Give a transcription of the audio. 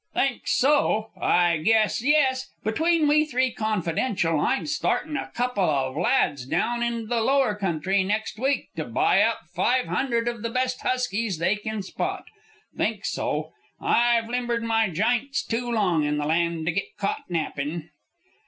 "Think so! I guess yes. Between we three, confidential, I'm startin' a couple of lads down into the Lower Country next week to buy up five hundred of the best huskies they kin spot. Think so! I've limbered my jints too long in the land to git caught nappin'."